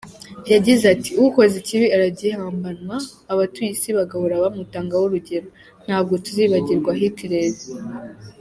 Yagize ati “Ukoze ikibi aragihambanwa, abatuye isi bagahora bamutangaho urugero, ntabwo tuzibagirwa Hitler.